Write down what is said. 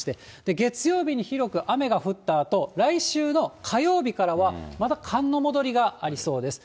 月曜日に広く雨が降ったあと、来週の火曜日からは、また寒の戻りがありそうです。